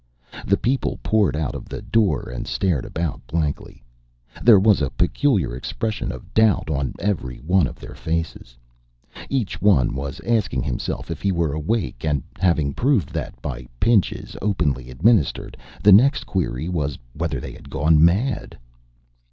The people poured out of the door and stared about blankly. There was a peculiar expression of doubt on every one of their faces. Each one was asking himself if he were awake, and having proved that by pinches, openly administered, the next query was whether they had gone mad.